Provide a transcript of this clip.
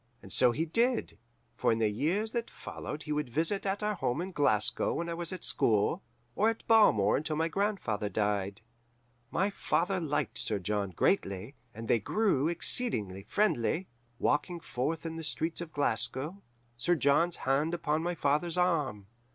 And so he did, for in the years that followed he would visit at our home in Glasgow when I was at school, or at Balmore until my grandfather died. "My father liked Sir John greatly, and they grew exceedingly friendly, walking forth in the streets of Glasgow, Sir John's hand upon my father's arm.